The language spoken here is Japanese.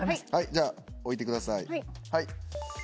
じゃあ置いてください。